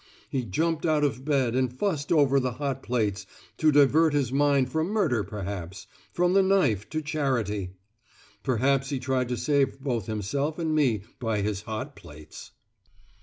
He jumped out of bed and fussed over the hot plates, to divert his mind from murder perhaps—from the knife to charity! Perhaps he tried to save both himself and me by his hot plates!"